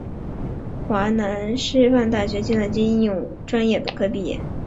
华南师范大学计算机应用专业本科毕业。